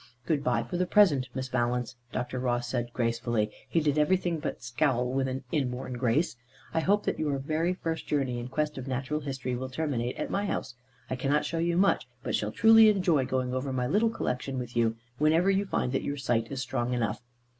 "Good bye for the present, Miss Valence," Dr. Ross said gracefully he did everything but scowl with an inborn grace "I hope that your very first journey in quest of natural history will terminate at my house. I cannot show you much, but shall truly enjoy going over my little collection with you whenever you find that your sight is strong enough.